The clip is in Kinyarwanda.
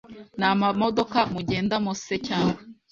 ni amamodoka mugendamose cg